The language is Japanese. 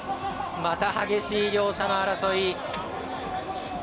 また、激しい両者の争い。